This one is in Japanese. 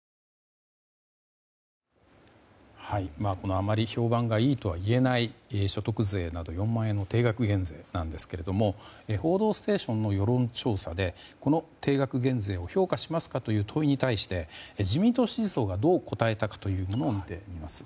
あまり評判がいいとは言えない所得税など４万円の定額減税ですが「報道ステーション」の世論調査でこの定額減税を評価しますかという問いに対し自民党支持層がどう答えたか見ていきます。